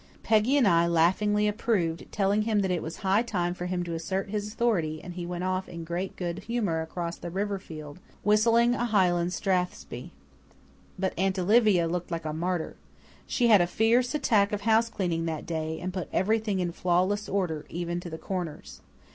Peggy and I laughingly approved, telling him that it was high time for him to assert his authority, and he went off in great good humour across the river field, whistling a Highland strathspey. But Aunt Olivia looked like a martyr. She had a fierce attack of housecleaning that day, and put everything in flawless order, even to the corners.